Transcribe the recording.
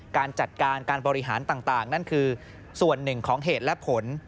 การจัดการการบริหารต่างนั่นคือส่วนหนึ่งของเหตุและผล